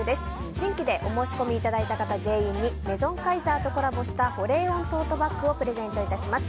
新規でお申し込みいただいた方全員にメゾンカイザーとコラボした保冷温トートバッグをプレゼントいたします。